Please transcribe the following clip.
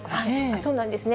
そうなんですね。